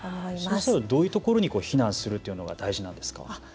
どういうところに避難するというのが大事なんですか。